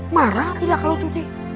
marah tidak kalau tuti